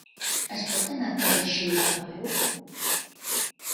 Es pot anar a Torre-xiva a peu?